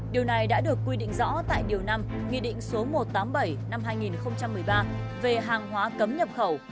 điều này đã được quy định rõ tại điều năm nghị định số một trăm tám mươi bảy năm hai nghìn một mươi ba về hàng hóa cấm nhập khẩu